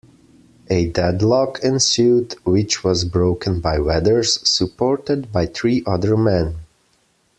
A deadlock ensued, which was broken by Weathers, supported by three other men.